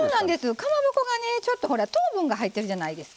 かまぼこがちょっと糖分が入ってるじゃないですか。